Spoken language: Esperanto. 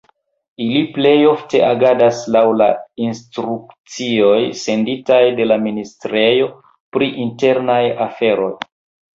Ili plejofte agadas laŭ la instrukcioj senditaj de la ministrejo pri internaj aferoj.